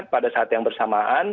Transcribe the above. pada saat yang bersamaan